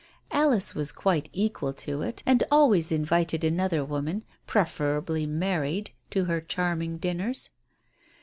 Alice was quite equal to it, and always invited another woman, preferably married, to her charming dinners.